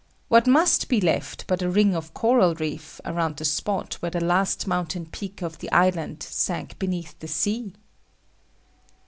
What must be left but a ring of coral reef, around the spot where the last mountain peak of the island sank beneath the sea?"